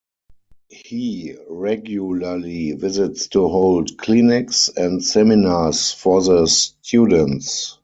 He regularly visits to hold clinics and seminars for the students.